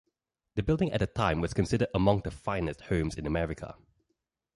The building at the time was considered among the finest homes in America.